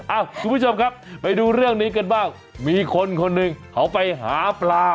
คุณผู้ชมครับไปดูเรื่องนี้กันบ้างมีคนคนหนึ่งเขาไปหาปลา